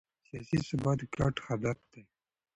سیاسي ثبات ګډ هدف دی